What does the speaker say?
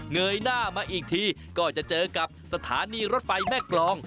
เยยหน้ามาอีกทีก็จะเจอกับสถานีรถไฟแม่กรอง